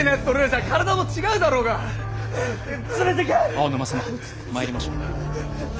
青沼様参りましょう。